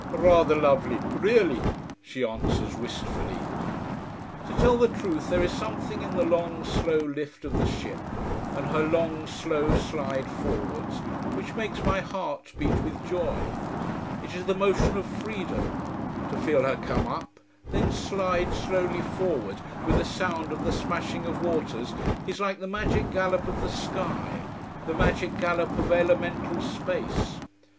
Rather lovely really," she answers wistfully. To tell the truth there is something in the long, slow lift of the ship, and her long, slow slide forwards which makes my heart beat with joy. It is the motion of freedom. To feel her come up then slide slowly forward, with a sound of the smashing of waters, is like the magic gallop of the sky, the magic gallop of elemental space.